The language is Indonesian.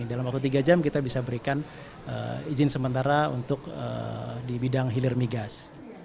dalam waktu tiga jam kita bisa berikan izin sementara untuk di bidang hilir migas